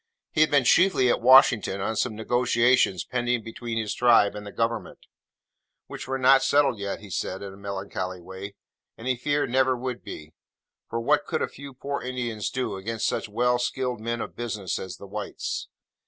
He had been chiefly at Washington on some negotiations pending between his Tribe and the Government: which were not settled yet (he said in a melancholy way), and he feared never would be: for what could a few poor Indians do, against such well skilled men of business as the whites?